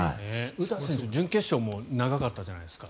詩選手、準決勝も長かったじゃないですか。